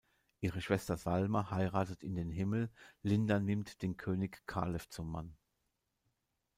Ihre Schwester Salme heiratet in den Himmel, Linda nimmt den König Kalev zum Mann.